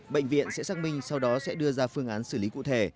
bệnh viện sẽ xác minh sau đó sẽ đưa ra phương án xử lý cụ thể